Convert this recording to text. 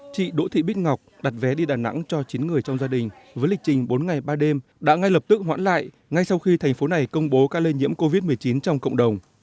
chị đỗ thị bích ngọc đặt vé đi đà nẵng cho chín người trong gia đình với lịch trình bốn ngày ba đêm đã ngay lập tức hoãn lại ngay sau khi thành phố này công bố ca lây nhiễm covid một mươi chín trong cộng đồng